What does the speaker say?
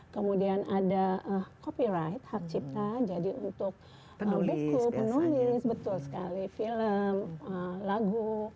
kemudian ada copy right hak cipta jadi untuk buku penulis betul sekali film lagu